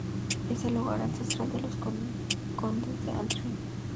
Es el hogar ancestral de los condes de Antrim.